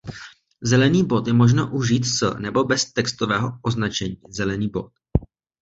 Zelený bod je možno užít s nebo bez textového označení „zelený bod“.